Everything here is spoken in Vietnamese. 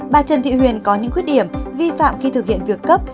bà trần thị huyền có những khuyết điểm vi phạm khi thực hiện việc cấp